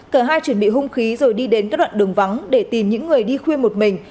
cả hai chuẩn bị hung khí rồi đi đến các đoạn đường vắng để tìm những người đi khuya một mình